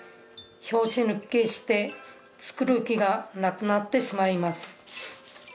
「ひょうしぬけして」「作る気がなくなってしまいます」